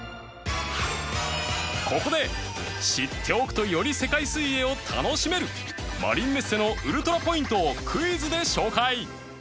ここで知っておくとより世界水泳を楽しめるマリンメッセのウルトラポイントをクイズで紹介